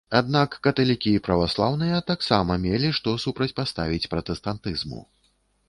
Аднак каталікі і праваслаўныя таксама мелі што супрацьпаставіць пратэстантызму.